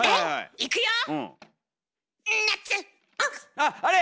あっあれ！